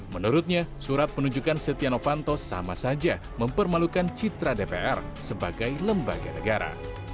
menurutnya surat penunjukan setia novanto sama saja mempermalukan citra dpr sebagai lembaga negara